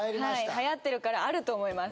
はやってるからあると思います